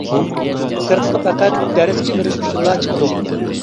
سىرتقا پەقەت دەرسكە بېرىش ئۈچۈنلا چىقىدۇ.